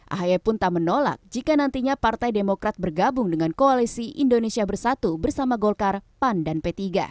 ahy pun tak menolak jika nantinya partai demokrat bergabung dengan koalisi indonesia bersatu bersama golkar pan dan p tiga